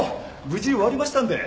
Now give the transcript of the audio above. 無事終わりましたんで。